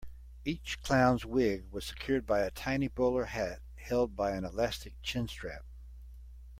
Each clown's wig was secured by a tiny bowler hat held by an elastic chin-strap.